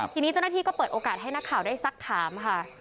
ทีนี้เจ้าหน้าที่ก็เปิดโอกาสให้นักข่าวได้สักถามค่ะ